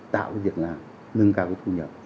tạo việc làm nâng cao khu dân nhập